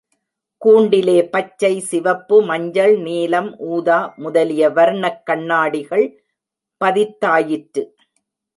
கூண்டிலே பச்சை, சிவப்பு, மஞ்சள், நீலம், ஊதா முதலிய வர்ணக் கண்ணாடிகள் பதித்தாயிற்று.